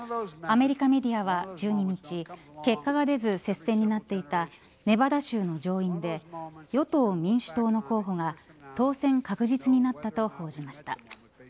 アメリカメディアは１２日結果が出ず、接戦になっていたネバダ州の上院で与党・民主党の候補が当選確実になったと報じました。